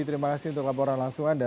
terima kasih untuk laporan langsung anda